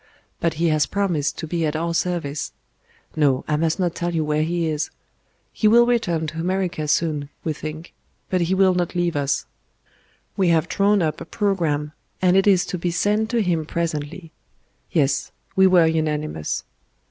But He has promised to be at our service.... No, I must not tell you where He is.... He will return to America soon, we think; but He will not leave us. We have drawn up a programme, and it is to be sent to Him presently.... Yes, we were unanimous."